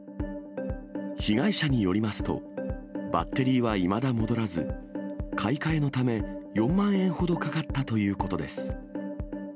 被害者によりますと、バッテリーはいまだ戻らず、買い替えのため４万円ほどかかったということです。